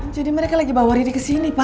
jadi mereka lagi bawa riri kesini pa